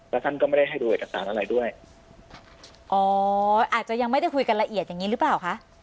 แล้วท่านก็ไม่ได้ให้ดูเอกสารอะไรด้วยอ๋ออาจจะยังไม่ได้คุยกันละเอียดอย่างงี้หรือเปล่าคะ